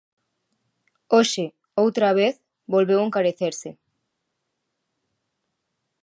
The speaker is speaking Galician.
Hoxe, outra vez, volveu encarecerse.